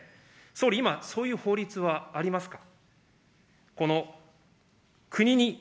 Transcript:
総理、今、そういう法律はありますか。